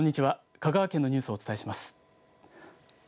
香川県のニュースをお伝えします。